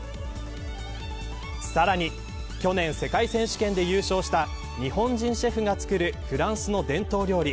さらに去年、世界選手権で優勝した日本人シェフが作るフランスの伝統料理